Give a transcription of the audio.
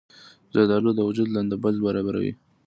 زردالو د وجود لندبل برابروي.